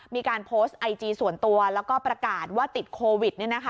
มีการโพสต์ไอจีส่วนตัวแล้วก็ประกาศว่าติดโควิด